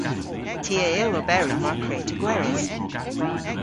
Ty a yll oberi mar kwre'ta gweres.